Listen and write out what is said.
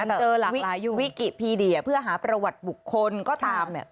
แต่วิกิพีเดียเพื่อหาประวัติบุคคลก็ตาม